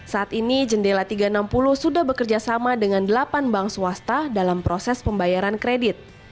saat ini jendela tiga ratus enam puluh sudah bekerja sama dengan delapan bank swasta dalam proses pembayaran kredit